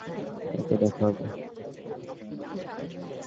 রাতে দেখা হবে।